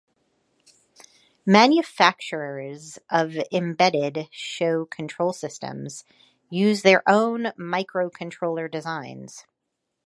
Manufacturers of embedded show control systems use their own micro controller designs.